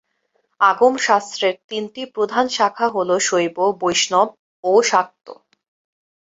আগম শাস্ত্রের তিনটি প্রধান শাখা হল শৈব, বৈষ্ণব ও শাক্ত।